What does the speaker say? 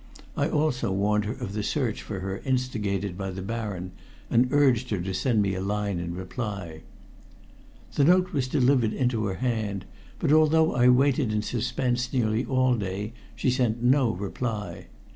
I also warned her of the search for her instigated by the Baron, and urged her to send me a line in reply. The note was delivered into her hand, but although I waited in suspense nearly all day she sent no reply.